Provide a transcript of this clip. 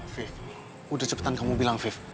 vif udah cepetan kamu bilang vif